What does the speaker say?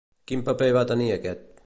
Quin paper va tenir aquest?